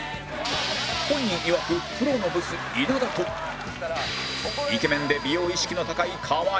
本人いわくプロのブス稲田とイケメンで美容意識の高い河井